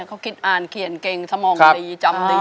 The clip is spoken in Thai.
เขาคิดอ่านเขียนเก่งสมองตีจำตี